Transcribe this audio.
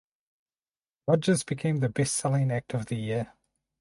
Rodgers became the best selling act of the year.